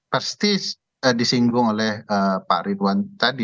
persis disinggung oleh pak ridwan tadi